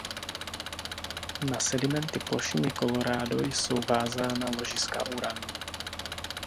Na sedimenty plošiny Colorado jsou vázána ložiska uranu.